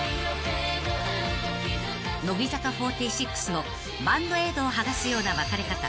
［乃木坂４６の『バンドエイド剥がすような別れ方』］